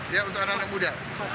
ya untuk anak anak muda